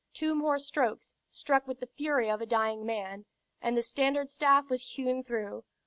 Two more strokes, struck with the fury of a dying man, and the standard staff was hewn through.